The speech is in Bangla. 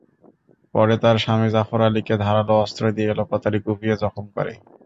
পরে তাঁর স্বামী জাফর আলীকে ধারালো অস্ত্র দিয়ে এলোপাতাড়ি কুপিয়ে জখম করে।